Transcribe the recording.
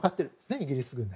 イギリス軍も。